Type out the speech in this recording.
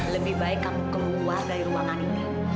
lebih baik kamu keluar dari ruangan ini